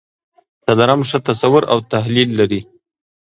څلورم ښه تصور او تحلیل لري.